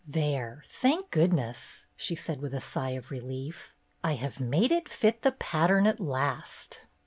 "There, thank goodness," she said with a sigh of relief, "I have made it fit the pattern at last!"